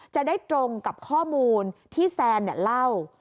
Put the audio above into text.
จะได้ตรงกับข้อมูลที่แซนเล่า